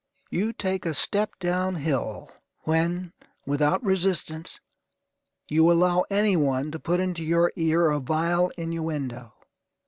You take a step down hill, when, without resistance, you allow any one to put into your ear a vile innuendo.